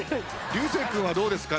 流星君はどうですか？